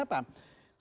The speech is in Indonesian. sebetulnya memang ini